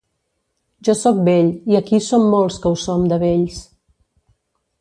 Jo soc vell i aquí som molts que ho som de vells.